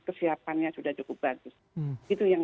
kesiapannya sudah cukup bagus itu yang